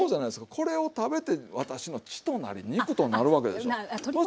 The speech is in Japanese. これを食べて私の血となり肉となるわけでしょ。